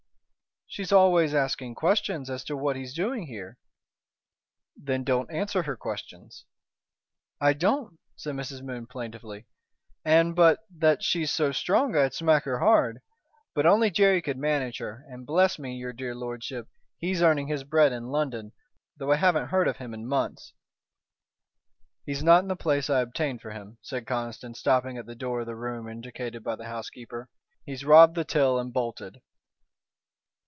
"She's allays asking questions as to what he's doing here." "Then, don't answer her questions." "I don't," said Mrs. Moon, plaintively, "and but that she's so strong I'd smack her hard. But only Jerry could manage her, and, bless me! your dear lordship, he's earning his bread in London, though I haven't heard of him for months." "He's not in the place I obtained for him," said Conniston, stopping at the door of the room indicated by the housekeeper. "He's robbed the till and bolted."